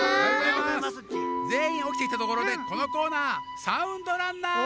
ぜんいんおきてきたところでこのコーナー「サウンドランナー」！